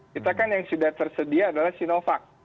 kita kan yang sudah tersedia adalah sinovac